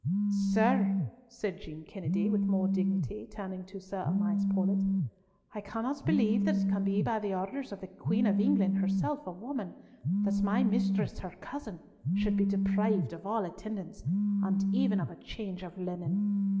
"Sir," said Jean Kennedy, with more dignity, turning to Sir Amias Paulett, "I cannot believe that it can be by the orders of the Queen of England, herself a woman, that my mistress, her cousin, should be deprived of all attendance, and even of a change of linen.